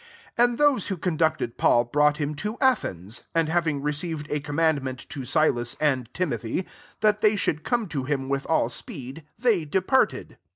15 And those who conducted Paul brought {hini] to Athens : and having received a commandment to Silas and Timothy, that they should come to him with all speed, they de parted.